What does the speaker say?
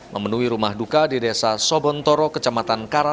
memenuhi rumah duka dedekatnya